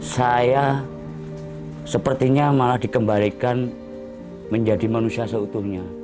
saya sepertinya malah dikembalikan menjadi manusia seutuhnya